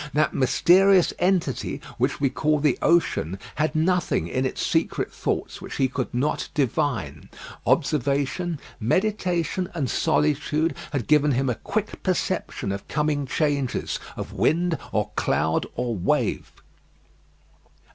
That mysterious entity which we call the ocean had nothing in its secret thoughts which he could not divine. Observation, meditation, and solitude, had given him a quick perception of coming changes, of wind, or cloud, or wave.